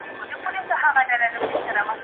بيبيسي له اپلېکېشنه پوښتنه وکړه.